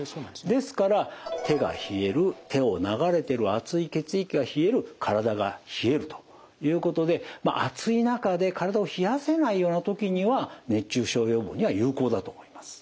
ですから手が冷える手を流れてる熱い血液が冷える体が冷えるということで暑い中で体を冷やせないような時には熱中症予防には有効だと思います。